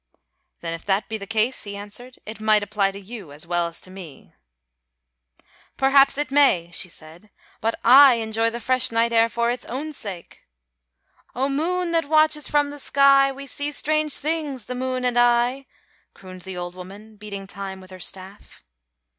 "Then if that be the case," he answered, "it might apply to you as well as to me." "Perhaps it may," she said, "but I enjoy the fresh night air for its own sake: O Moon that watches from the sky, We see strange things, the moon and I." crooned the old woman, beating time with her staff.